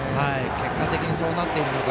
結果的にそうなっているのか